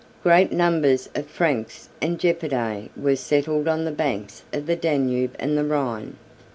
47 Great numbers of Franks and Gepidæ were settled on the banks of the Danube and the Rhine.